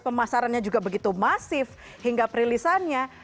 pemasarannya juga begitu masif hingga perilisannya